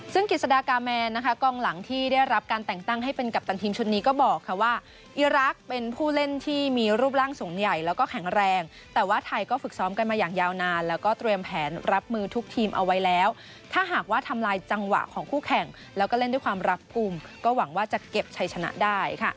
ซึ่งกิจสดากาแมนนะคะกล้องหลังที่ได้รับการแต่งตั้งให้เป็นกัปตันทีมชุดนี้ก็บอกค่ะว่าอีรักษ์เป็นผู้เล่นที่มีรูปร่างสูงใหญ่แล้วก็แข็งแรงแต่ว่าไทยก็ฝึกซ้อมกันมาอย่างยาวนานแล้วก็เตรียมแผนรับมือทุกทีมเอาไว้แล้วถ้าหากว่าทำลายจังหวะของคู่แข่งแล้วก็เล่นด้วยความรักกลุ่มก็หวังว่าจะเก็บชัยชนะได้ค่ะ